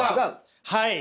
はい！